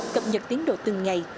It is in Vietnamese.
cập nhật tiến độ từng ngày